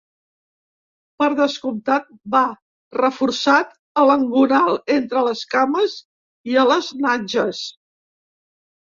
Per descomptat, va reforçat a l'engonal, entre les cames i a les natges.